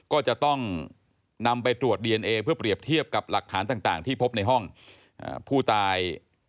ก็จะต้องนำไปตรวจดีเอนเอเพื่อเปรียบเทียบกับหลักฐานต่างที่พบในห้องผู้ตาย